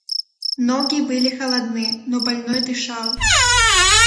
Ноги были холодны, но больной дышал.